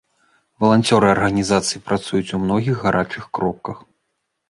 Валанцёры арганізацыі працуюць у многіх гарачых кропках.